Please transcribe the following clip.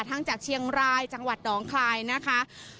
จากเชียงรายจังหวัดหนองคลายนะคะ